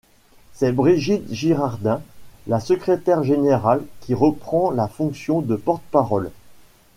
C'est Brigitte Girardin, la secrétaire générale, qui reprend la fonction de porte-parole.